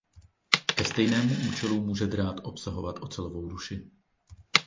Ke stejnému účelu může drát obsahovat ocelovou duši.